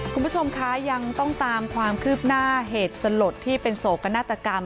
คุณผู้ชมคะยังต้องตามความคืบหน้าเหตุสลดที่เป็นโศกนาฏกรรม